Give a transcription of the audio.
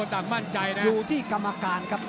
แต่อยู่ที่กรรมการครับ